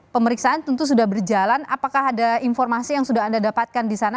pemeriksaan tentu sudah berjalan apakah ada informasi yang sudah anda dapatkan di sana